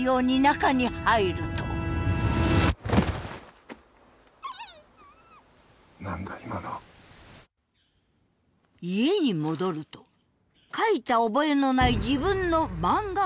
家に戻ると描いた覚えのない自分の漫画原稿が。